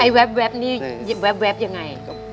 ไอ้แวบนี่แวบยังไง